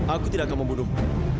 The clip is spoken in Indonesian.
aku tidak akan membunuhmu